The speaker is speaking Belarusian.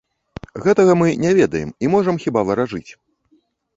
Гэтага мы не ведаем, і можам, хіба, варажыць.